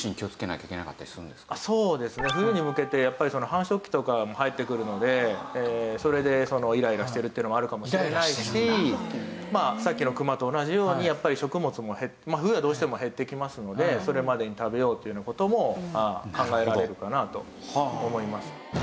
冬に向けてやっぱり繁殖期とかも入ってくるのでそれでイライラしてるっていうのもあるかもしれないしさっきのクマと同じようにやっぱり食物も冬はどうしても減ってきますのでそれまでに食べようというような事も考えられるかなと思います。